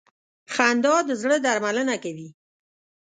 • خندا د زړه درملنه کوي.